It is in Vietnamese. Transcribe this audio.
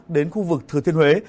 đến khu vực thừa thiên huế